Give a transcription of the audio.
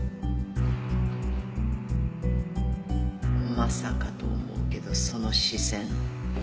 まさかと思うけどその視線。